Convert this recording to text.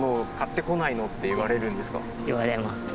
言われますね。